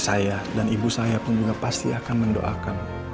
saya dan ibu saya pun juga pasti akan mendoakan